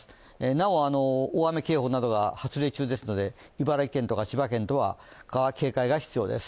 なお、大雨警報などが発令中ですので、茨城県内とか、千葉県とかは警戒が必要です。